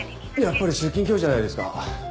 やっぱり出勤拒否じゃないですか？